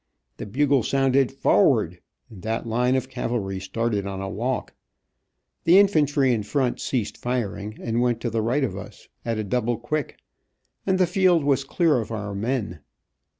The bugle sounded "forward" and that line of cavalry started on a walk. The infantry in front ceased firing, and went to the right of us at a double quick, and the field was clear of our men.